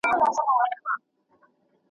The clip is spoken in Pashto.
د ورور په وینو پړسېدلي پیدا نه سمیږو ,